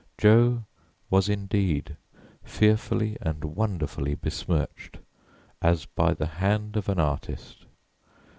Jo was indeed fearfully and wonderfully besmirched, as by the hand of an artist.